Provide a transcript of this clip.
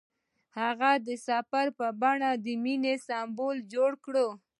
هغه د سفر په بڼه د مینې سمبول جوړ کړ.